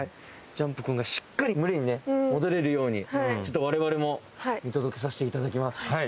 ジャンプくんがしっかり群れに戻れるように我々も見届けさせていただきます